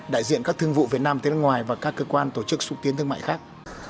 đại diện các thương vụ việt nam tới nước ngoài và các cơ quan tổ chức xúc tiến thương mại khác